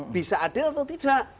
bisa adil atau tidak